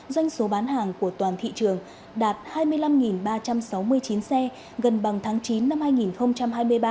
doanh số bán hàng của toàn thị trường đạt hai mươi năm ba trăm sáu mươi chín xe gần bằng tháng chín năm hai nghìn hai mươi ba